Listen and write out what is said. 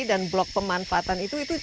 dan blok pemanfaatan itu